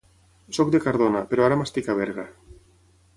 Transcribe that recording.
Soc de Cardona, però ara m'estic a Berga.